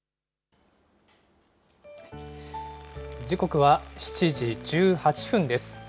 時刻は７時１８分です。